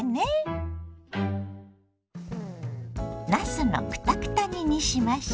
なすのクタクタ煮にしましょ。